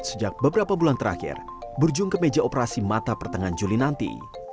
sejak beberapa bulan terakhir berujung ke meja operasi mata pertengahan juli nanti